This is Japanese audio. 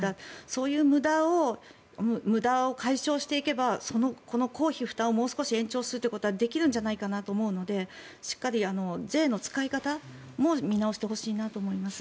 そういう無駄を解消していけばこの公費負担をもう少し延長するということはできると思うのでしっかり税の使い方も見直してほしいなと思います。